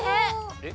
えっ？